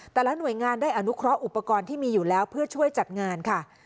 แต่ละหน่วยงานได้อนุเคราะห์ที่มีอยู่แล้วเพื่อช่วยจัดงานค่ะ